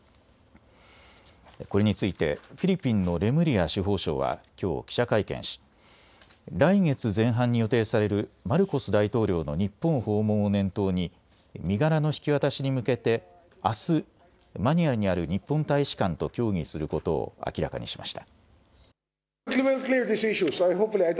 これについてフィリピンのレムリア司法相はきょう記者会見し来月前半に予定されるマルコス大統領の日本訪問を念頭に身柄の引き渡しに向けてあすマニラにある日本大使館と協議することを明らかにしました。